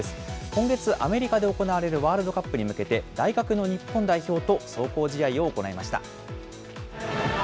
今月、アメリカで行われるワールドカップに向けて、大学の日本代表と壮行試合を行いました。